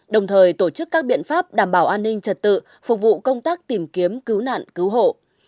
đồng thời tổ chức các biện pháp đảm bảo an ninh trật tự phục vụ công tác tìm kiếm cứu nạn cứu hộ